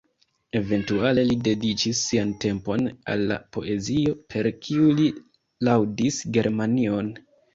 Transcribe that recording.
Eventuale li dediĉis sian tempon al la poezio, per kiu li laŭdis Germanion.